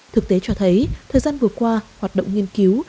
thực tế cho thấy thời gian vừa qua hoạt động nghiên cứu